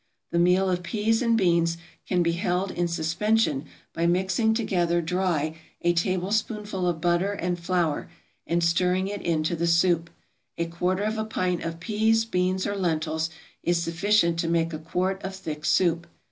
The meal of peas and beans can be held in suspension by mixing together dry a tablespoonful of butter and flour, and stirring it into the soup; a quarter of a pint of peas, beans, or lentils, is sufficient to make a quart of thick soup.